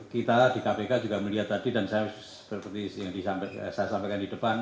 kita di kpk juga melihat tadi dan saya seperti yang saya sampaikan di depan